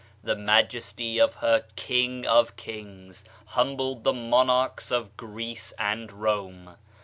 The majesty of her king of kings humbled the monarchs of Greece and Rome.